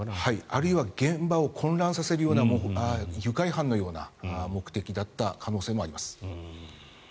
あるいは現場を混乱させるような愉快犯のような目的だった可能性もあります。